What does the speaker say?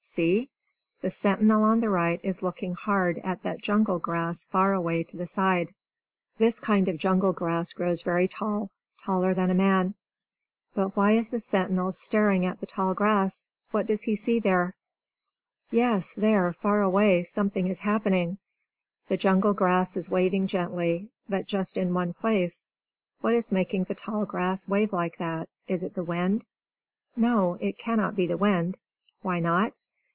See! The sentinel on the right is looking hard at that jungle grass far away to the side. This kind of jungle grass grows very tall, taller than a man. But why is the sentinel staring at the tall grass? What does he see there? Yes, there, far away, something is happening! The jungle grass is waving gently, but just in one place! What is making the tall grass wave like that? Is it the wind? No, it cannot be the wind! Why not?